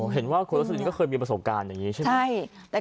เห็นว่าคุณรสลินก็เคยมีประสบการณ์อย่างนี้ใช่ไหม